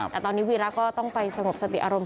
แต่ตอนนี้วีระก็ต้องไปสงบสติอารมณ์